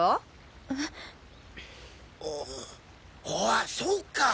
あっそうか！